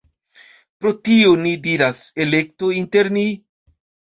Pro tio, ni diras: elektu inter ni.